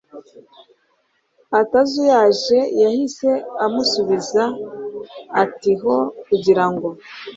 atazuyaje yahise amusubiza atiaho kugira ngo